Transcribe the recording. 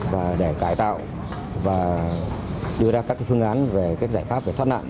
và để cải tạo và đưa ra các phương án về các giải pháp về thoát nạn